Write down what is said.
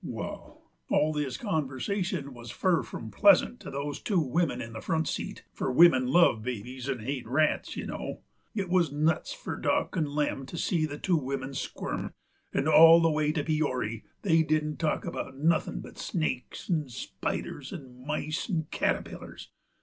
Wall, all this conversation wuz fur from pleasant to those two wimmin in the front seat, fur wimmin love babies 'nd hate rats, you know. It wuz nuts fur Dock 'nd Lem to see the two wimmin squirm, 'nd all the way to Peory they didn't talk about nuthink but snakes 'nd spiders 'nd mice 'nd caterpillers.